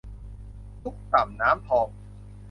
ตุ๊กต่ำน้ำทอง